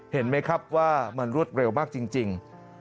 เห็นไหมครับว่ามันรวดเร็วมากจริง